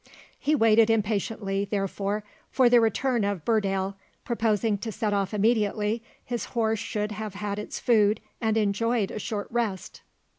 He waited impatiently, therefore, for the return of Burdale, purposing to set off immediately his horse should have had its food and enjoyed a short rest.